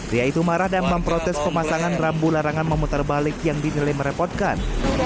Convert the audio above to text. ria itu marah dan memprotes pemasangan rambu larangan memutar balik yang dinilai merepotkan